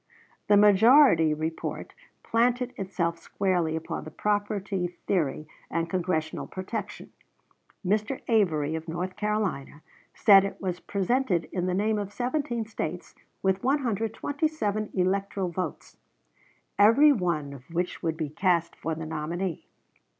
The majority report planted itself squarely upon the property theory and Congressional protection. Mr. Avery, of North Carolina, said it was presented in the name of 17 States with 127 electoral votes, every one of which would be cast for the nominee.